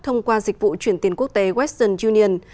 thông qua dịch vụ chuyển tiền quốc tế western union